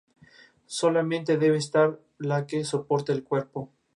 Los clubes jugaron contra los integrantes de su respectiva serie a una vuelta.